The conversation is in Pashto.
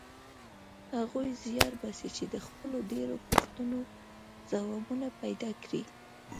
هغوی زیار باسي چې د خپلو ډېرو پوښتنو ځوابونه پیدا کړي.